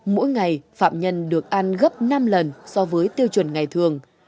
mỗi ngày phạm nhân được ăn gấp năm lần so với tiêu chuẩn ngày thường